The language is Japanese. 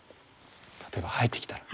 例えば入ってきたら。